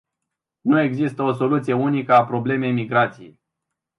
Nu există o soluție unică a problemei migrației.